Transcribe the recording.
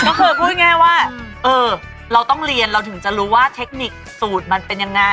ก็คือพูดง่ายว่าเออเราต้องเรียนเราถึงจะรู้ว่าเทคนิคสูตรมันเป็นยังไง